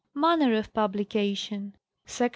Manner of Publication. Src.